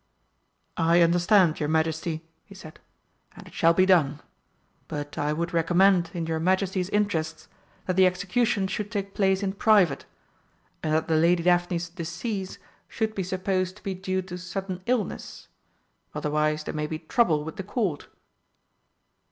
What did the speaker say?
"I understand, your Majesty," he said, "and it shall be done. But I would recommend, in your Majesty's interests, that the execution should take place in private, and that the Lady Daphne's decease should be supposed to be due to sudden illness. Otherwise there may be trouble with the Court."